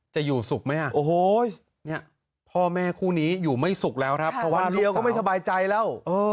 จะอยู่สุขไหมอะพ่อแม่คู่นี้อยู่ไม่สุขแล้วครับเพราะว่าลูกสาววันเดียวก็ไม่สบายใจแล้ว